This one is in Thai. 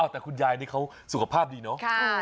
แต่คุณยายสุขภาพดีเนาะ